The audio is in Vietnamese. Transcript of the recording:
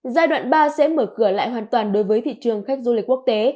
giai đoạn ba sẽ mở cửa lại hoàn toàn đối với thị trường khách du lịch quốc tế